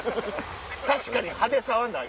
確かに派手さはない。